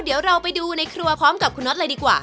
เดี๋ยวเราไปดูในครัวพร้อมกับคุณน็อตเลยดีกว่า